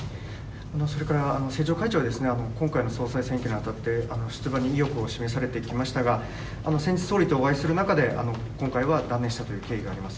それから政調会長ですね、今回の総裁選挙にあたって出馬に意欲を示されてきましたが、先日、総理とお会いする中で、今回は断念したという経緯があります。